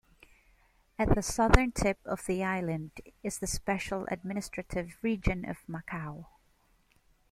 At the southern tip of the island is the Special Administrative Region of Macau.